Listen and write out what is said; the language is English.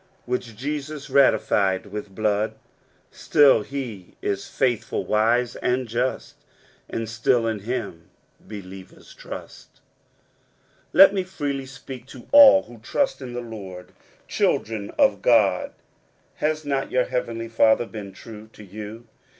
Which Jesus ratified with blood : Still he is faithful, wise, and just. And still in him believers trust." Let me freely speak to all who trust in the Lord. Children of God has not your heavenly Father been true to you